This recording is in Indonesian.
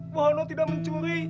wahono tidak mencuri